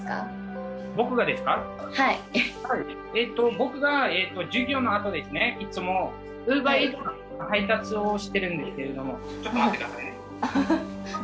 「僕が授業のあとですねいつもウーバーイーツの配達をしてるんですけれどもちょっと待ってくださいね。